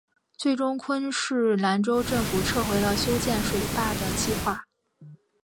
最终昆士兰州政府撤回了修建水坝的计划。